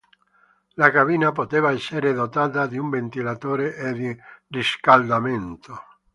La cabina poteva essere dotata di un ventilatore e di riscaldamento.